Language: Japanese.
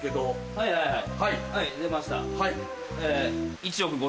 はいはいはいはい出ました。